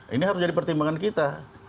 ini harus jadi pertimbangan kita